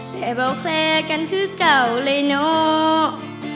แต่เบาแคร์กันคือเก่าเลยเนาะ